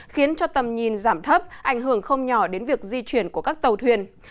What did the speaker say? khiến cho tầm nhìn giảm thấp ảnh hưởng không nhỏ đến việc di chuyển của các tàu thuyền